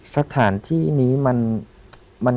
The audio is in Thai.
สถานที่นี้มัน